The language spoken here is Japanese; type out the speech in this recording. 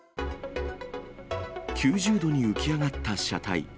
９０度に浮き上がった車体。